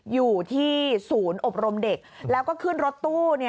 อยู่ที่ศูนย์อบรมเด็กแล้วก็ขึ้นรถตู้